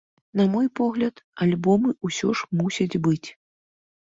На мой погляд, альбомы ўсё ж мусяць быць.